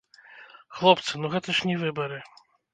Хлопцы, ну гэта ж не выбары!